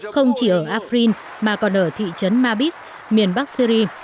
không chỉ ở afrin mà còn ở thị trấn mabis miền bắc syri